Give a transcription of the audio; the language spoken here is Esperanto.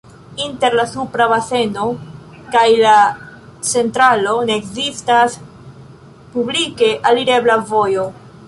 Inter la supra baseno kaj la centralo ne ekzistas publike alirebla vojo.